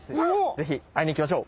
是非会いに行きましょう。